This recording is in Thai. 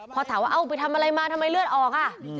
พอถามว่าเอ้าไปทำอะไรมาทำไมเลือดออกอ่ะ